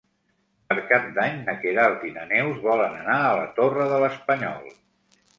Per Cap d'Any na Queralt i na Neus volen anar a la Torre de l'Espanyol.